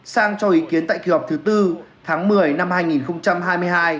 sang cho ý kiến tại kỳ họp thứ tư tháng một mươi năm hai nghìn hai mươi hai